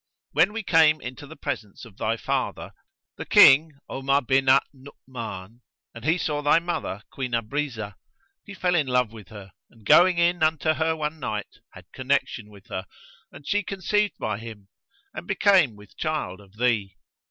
When we came into the presence of thy Father, the King Omar bin al Nu'uman, and he saw thy mother, Queen Abrizah, he fell in love with her and going in unto her one night, had connection with her, and she conceived by him and became with child of thee.